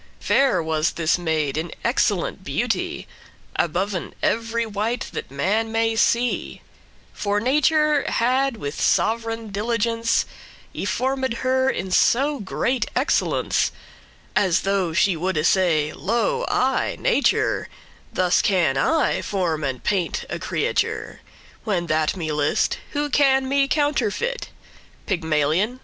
Fair was this maid in excellent beauty Aboven ev'ry wight that man may see: For nature had with sov'reign diligence Y formed her in so great excellence, As though she woulde say, "Lo, I, Nature, Thus can I form and paint a creature, When that me list; who can me counterfeit? Pygmalion?